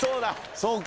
・そうか。